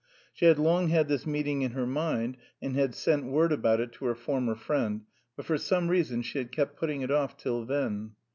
She had long had this meeting in her mind, and had sent word about it to her former friend, but for some reason she had kept putting it off till then.